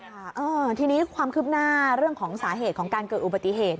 ค่ะเออทีนี้ความคืบหน้าเรื่องของสาเหตุของการเกิดอุบัติเหตุ